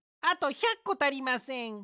あと１００こたりません。